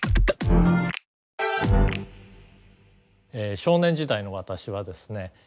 少年時代の私はですね